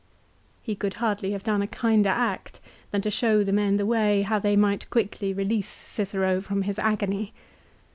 He could hardly have done a kinder act than to show the men the way how they might quickly release Cicero from his agony.